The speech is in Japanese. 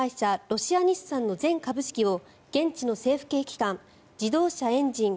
ロシア日産の全株式を現地の政府系機関自動車・エンジン